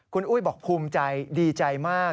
คุณอุ้ยบอกภูมิใจดีใจมาก